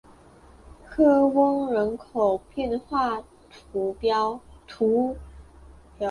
科翁人口变化图示